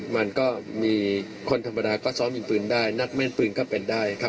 มันก็มีคนธรรมดาก็ซ้อมยิงปืนได้นักแม่นปืนก็เป็นได้ครับ